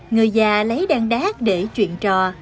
người già lấy đan đác để truyền trò